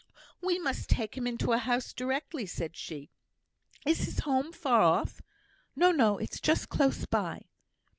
"We must take him into a house directly," said she. "Is his home far off?" "No, no; it's just close by."